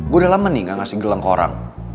gue udah lama nih gak ngasih gelang ke orang